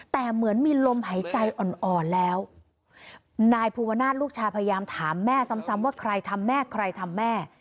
แต่เหมือนมีลมหายใจอ่อนอ่อนแล้วนายภูวนาศลูกชายพยายามถามแม่ซ้ำซ้ำว่าใครทำแม่ใครทำแม่